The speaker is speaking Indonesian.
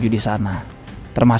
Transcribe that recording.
jadi saya mau ngecewain bapak